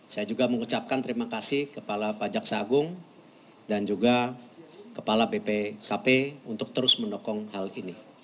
saya juga mengucapkan terima kasih kepala pak jaksa agung dan juga kepala bpkp untuk terus mendukung hal ini